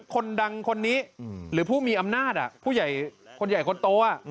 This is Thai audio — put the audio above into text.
คนดังคนนี้หรือผู้มีอำนาจผู้ใหญ่คนใหญ่คนโต